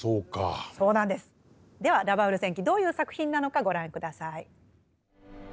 では「ラバウル戦記」どういう作品なのかご覧下さい。